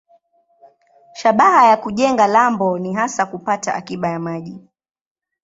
Shabaha ya kujenga lambo ni hasa kupata akiba ya maji.